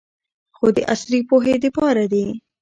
خو د عصري پوهې د پاره دې